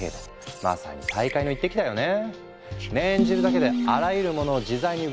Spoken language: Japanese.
まさに大海の一滴だよね。